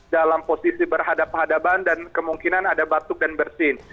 dalam posisi berhadapan hadapan dan kemungkinan ada batuk dan bersin